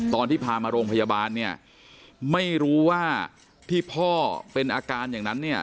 ตอนที่พามาโรงพยาบาลเนี่ยไม่รู้ว่าที่พ่อเป็นอาการอย่างนั้นเนี่ย